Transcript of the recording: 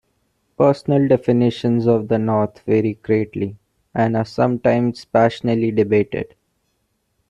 Personal definitions of the North vary greatly and are sometimes passionately debated.